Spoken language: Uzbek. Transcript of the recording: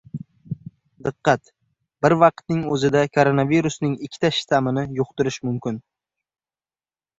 Diqqat! Bir vaqtning o‘zida koronavirusning ikkita shtammini yuqtirish mumkin